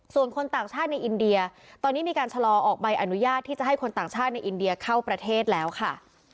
ส่วนคนต่างชาติในอินเดียตอนนี้มีการชะลอออกใบอนุญาตที่จะให้คนต่างชาติในอินเดียเข้าประเทศแล้วค่ะ